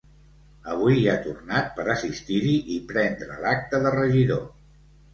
Avui hi ha tornat per assistir-hi i prendre l’acta de regidor.